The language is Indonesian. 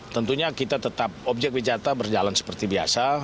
tentunya kita tetap objek wisata berjalan seperti biasa